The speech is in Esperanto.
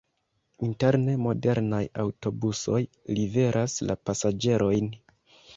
Interne modernaj aŭtobusoj liveras la pasaĝerojn.